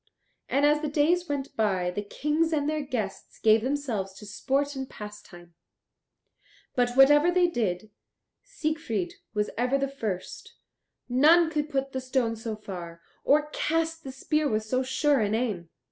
And as the days went by the Kings and their guests gave themselves to sport and pastime; but whatever they did, Siegfried was ever the first; none could put the stone so far, or cast the spear with so sure an aim.